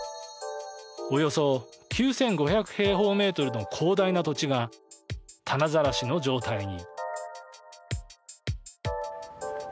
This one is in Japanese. およそ９５００平方メートルの広大な土地がたなざらしの状態に。